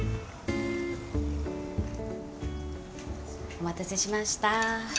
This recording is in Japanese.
お待たせしました。